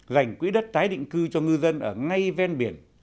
gành quỹ đất tái định cư cho ngư dân ở ngay ven biển